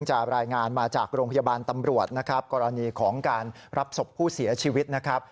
รายงานมาจากโรงพยาบาลตำรวจนะครับกรณีของการรับศพผู้เสียชีวิตนะครับ